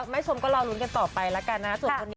ไม่ชมก็รอลุ้นกันต่อไปแล้วกันนะ